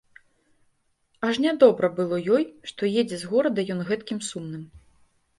Аж нядобра было ёй, што едзе з горада ён гэткім сумным.